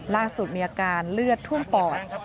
ล่าสุดมีอาการเลือดท่วมปอด